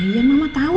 iya mama tau